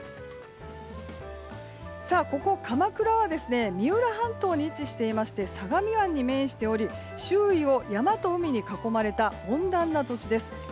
ここ鎌倉は三浦半島に位置していまして相模湾に面しており周囲を山と海に囲まれた温暖な土地です。